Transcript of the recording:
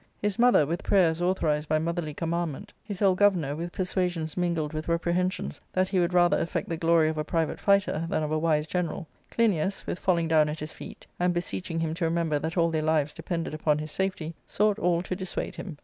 His mother, with prayers authorized by motherly commandment ; his old governor, with persuasions mingled with reprehensions that he would rather affect the glory of a private fighter than of a wise general ; Clinias, with falling down at his feet, and beseeching him to remember that all their lives depended upon his safety, sought all to dissuade him.